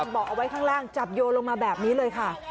เบาะเอาไว้ข้างล่างจับโยนลงมาแบบนี้เลยค่ะ